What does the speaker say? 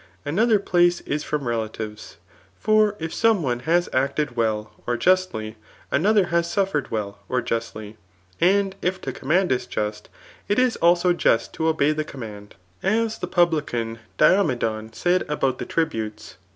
Another place is from relatives. For if some one has acted well or justly, another has suffered well or justly. And if to command is just, it is also just to obey the conu&and } as ArisL VOL. i. m 176 TOfi AJKT OF BOOK IF* ihe pubKcsn Diomedon said about the tribatcs.